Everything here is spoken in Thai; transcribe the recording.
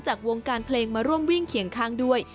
จากวงการเพลงมาร่วมวิ่งเคียงข้างด้วย